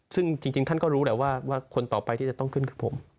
ซึ่งจริงท่านก็รู้แหละว่าคนต่อไปที่จะต้องขึ้นคือผม